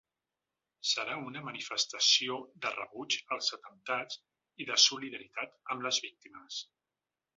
Serà una manifestació de rebuig als atemptats i de solidaritat amb les víctimes.